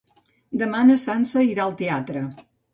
Demà na Sança irà al teatre.